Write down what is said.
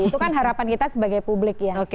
itu kan harapan kita sebagai publik ya